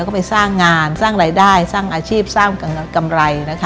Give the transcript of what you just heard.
ก็ไปสร้างงานสร้างรายได้สร้างอาชีพสร้างกำไรนะคะ